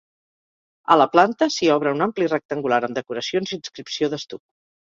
A la planta s'hi obre un ampli rectangular amb decoracions i inscripció d'estuc.